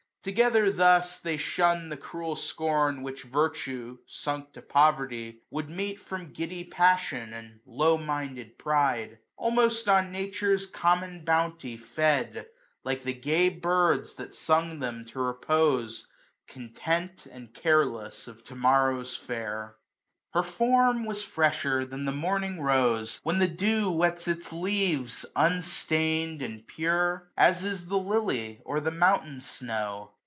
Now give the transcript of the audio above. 185 Together thus they ihunn^d the cruel scorn Which Virtue, sunk to poverty, would meet From giddy Passion and low minded Pride : Almost on Nature's common bounty fed ; like the gay birds that sung them to repose, t^o Content, and careless of to morrow's fare. Her form was frefher than the morning rose. When the dew wets its leaves^ unstain*d and pure^ AUTUMN. 129 As is the lily, or the mountain snow.